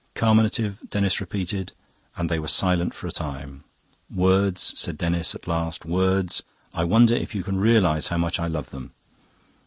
"Carminative," Denis repeated, and they were silent for a time. "Words," said Denis at last, "words I wonder if you can realise how much I love them.